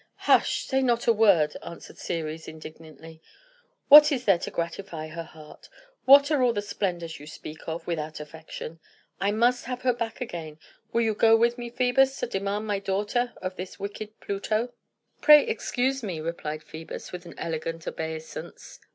"Hush! Say not such a word!" answered Ceres, indignantly. "What is there to gratify her heart? What are all the splendours you speak of, without affection? I must have her back again. Will you go with me, Phœbus, to demand my daughter of this wicked Pluto?" "Pray excuse me," replied Phœbus, with an elegant obeisance.